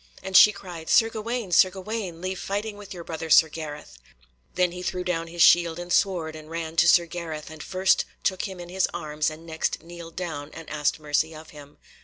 And she cried "Sir Gawaine, Sir Gawaine, leave fighting with your brother Sir Gareth." Then he threw down his shield and sword, and ran to Sir Gareth, and first took him in his arms and next kneeled down and asked mercy of him.